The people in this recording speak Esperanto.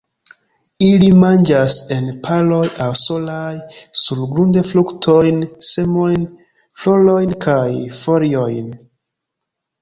Ili manĝas en paroj aŭ solaj surgrunde, fruktojn, semojn, florojn kaj foliojn.